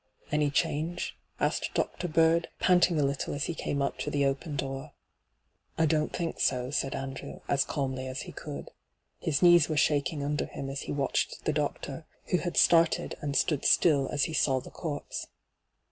' Any change V asked Dr. Bird, panting a little as he came up to the open door. ' I don't think so,' said Andrew, as calmly as he could. His knees were shaking under him as he watched the doctor, who had started and stood still as he saw the corpse.